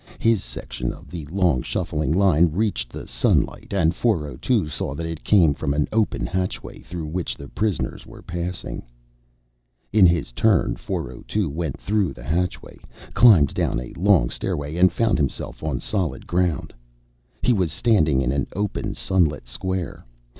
His section of the long shuffling line reached the sunlight, and 402 saw that it came from an open hatchway through which the prisoners were passing. In his turn, 402 went through the hatchway, climbed down a long stairway, and found himself on solid ground. He was standing in an open, sunlit square.